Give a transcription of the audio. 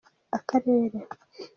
akarere.